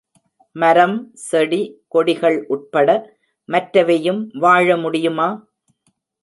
மரம் செடி கொடிகள் உட்பட மற்றவையும் வாழமுடியுமா?